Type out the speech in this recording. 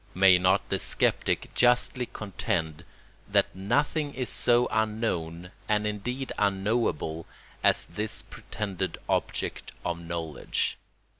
May not the sceptic justly contend that nothing is so unknown and indeed unknowable as this pretended object of knowledge?